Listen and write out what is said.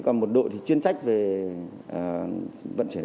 còn một đội thì chuyên sách về vận chuyển f f một